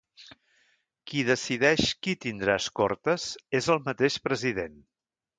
Qui decideix qui tindrà escortes és el mateix president.